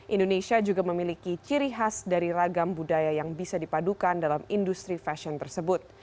indonesia juga memiliki ciri khas dari ragam budaya yang bisa dipadukan dalam industri fashion tersebut